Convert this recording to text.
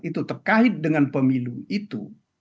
itu terkait dengan pemilu itu